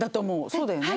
そうだよね。